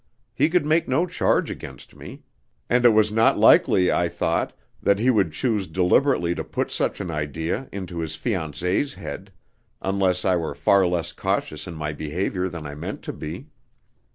He could make no charge against me, and it was not likely, I thought, that he would choose deliberately to put such an idea into his fiancée's head, unless I were far less cautious in my behaviour than I meant to be.